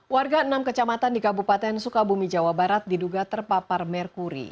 warga enam kecamatan di kabupaten sukabumi jawa barat diduga terpapar merkuri